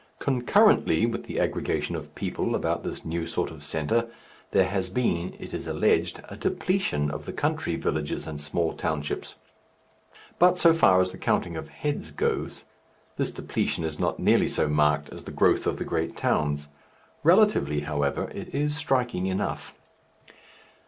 Concurrently with the aggregation of people about this new sort of centre, there has been, it is alleged, a depletion of the country villages and small townships. But, so far as the counting of heads goes, this depletion is not nearly so marked as the growth of the great towns. Relatively, however, it is striking enough.